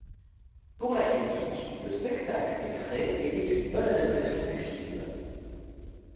Pour la critique, le spectacle est frais et est une bonne adaptation du film.